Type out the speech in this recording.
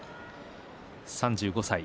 ３５歳。